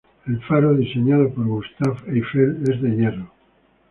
El faro, diseñado por Gustave Eiffel, es de hierro.